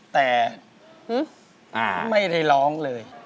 แต่ไม่ได้ร้องเลย